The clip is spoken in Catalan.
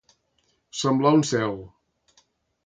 Semblar un cel.